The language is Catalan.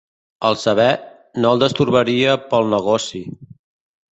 El saber, no el destorbaria pel negoci.